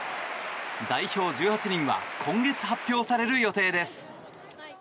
代表１８人は今月発表される予定です。